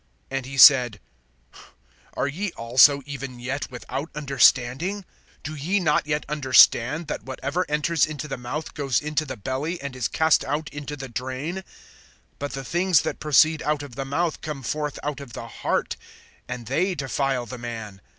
(16)And he said: Are ye also even yet without understanding? (17)Do ye not yet understand, that whatever enters into the mouth goes into the belly, and is cast out into the drain? (18)But the things that proceed out of the mouth come forth out of the heart; and they defile the man.